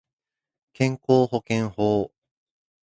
健康保険法